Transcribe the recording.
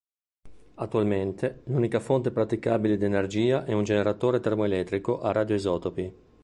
Attualmente, l'unica fonte praticabile di energia è un generatore termoelettrico a radioisotopi.